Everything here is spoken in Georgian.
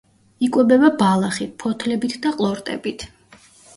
იკვებება ბალახით, ფოთლებით და ყლორტებით.